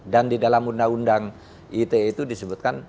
dan di dalam undang undang ite itu disebutkan